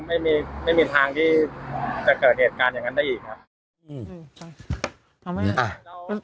ไม่มีไม่มีทางที่จะเกิดเหตุการณ์อย่างนั้นได้อีกครับ